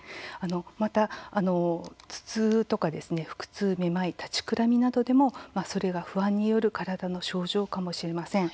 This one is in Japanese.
また頭痛とか腹痛めまい立ちくらみなどでもそれが不安による体の症状かもしれません。